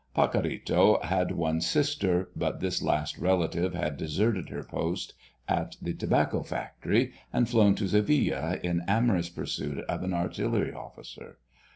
Pacorrito had one sister, but this last relative had deserted her post at the tobacco factory and flown to Sevilla in amorous pursuit of an artillery officer.